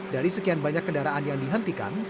dari sekian banyak kendaraan yang dihentikan